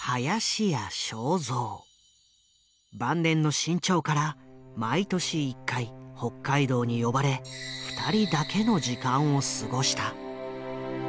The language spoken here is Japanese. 晩年の志ん朝から毎年１回北海道に呼ばれ２人だけの時間を過ごした。